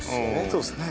そうですね。